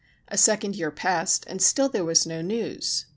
A second year passed, and still there was no news.